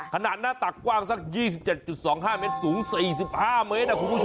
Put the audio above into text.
ขนาดหน้าตักกว้างสัก๒๗๒๕เมตรสูง๔๕เมตรนะคุณผู้ชม